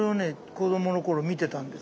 子どもの頃見てたんです。